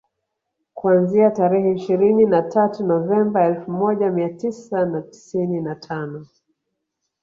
Kuanzia tarehe ishirini na tatu Novemba elfu moja Mia tisa na tisini na tano